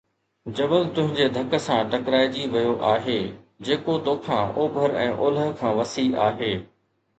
جبل تنهنجي ڌڪ سان ٽڪرائجي ويو آهي، جيڪو توکان اوڀر ۽ اولهه کان وسيع آهي